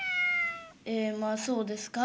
「ええまあそうですか？